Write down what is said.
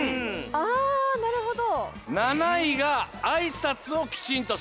あなるほど。